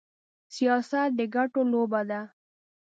سياست د ګټو لوبه ده.